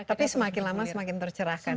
tapi semakin lama semakin tercerahkan